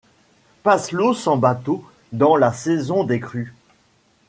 Passe l’eau sans bateau dans la saison des crues